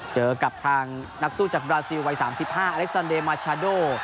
เจอกับทางนักสู้จากบราซิลวัย๓๕อเล็กซันเดมาชาโด